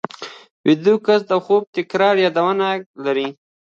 ویده کس د خوب تکراري یادونه لري